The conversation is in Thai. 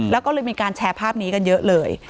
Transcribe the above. แล้วก็เลยมีการแชร์ภาพนี้กันเยอะเลย